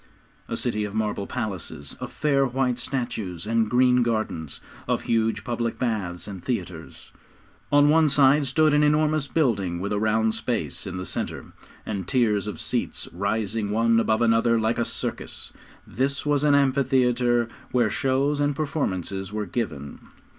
A city of marble palaces, of fair white statues and green gardens; of huge public baths and theatres. On one side stood an enormous building, with a round space in the centre, and tiers of seats rising one above another like a circus. This was an amphitheatre, where shows and performances were given.